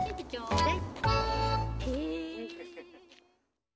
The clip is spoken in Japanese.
えっ？